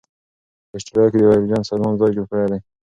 په اسټرالیا کې د اوریجن سازمان ځای جوړ کړی دی.